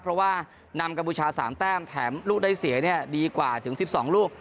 เพราะว่านำกัมพูชา๓แต้มแถมลูกได้เสียดีกว่าถึง๑๒ลูก